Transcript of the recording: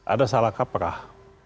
ada salah kaprah